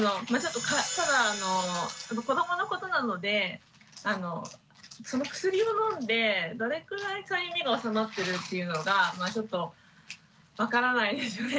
子どものことなのでその薬を飲んでどれくらいかゆみが治まってるっていうのがちょっと分からないですよね。